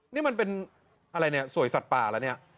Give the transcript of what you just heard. นี่มันเป็นอะไรเนี่ยสวยสัตว์ป่าแล้วเนี่ย